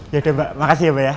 yaudah mbak makasih ya pak ya